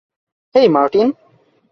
হেই, Martin!